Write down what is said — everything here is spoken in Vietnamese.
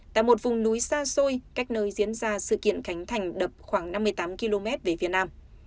tại một vùng núi xa xôi cách nơi diễn ra sự kiện khánh thành đập khoảng năm mươi tám km về phía nam